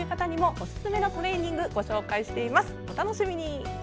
お楽しみに！